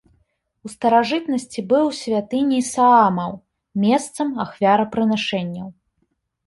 У старажытнасці быў святыняй саамаў, месцам ахвярапрынашэнняў.